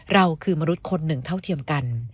เราคือมนุษย์คนหนึ่งเท่าเทียมกัน